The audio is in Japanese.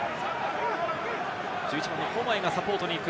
１１番のフォマイがサポートに行く。